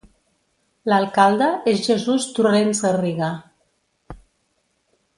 L'alcalde és Jesús Torrens Garriga.